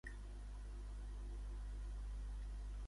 En què treballava Heinrich quan el va descobrir?